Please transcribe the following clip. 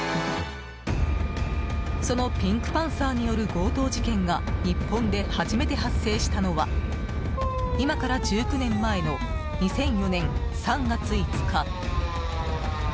そのピンクパンサーによる強盗事件が日本で初めて発生したのは今から１９年前の２００４年３月５日。